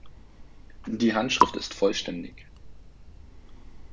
Die Handschrift ist vollständig.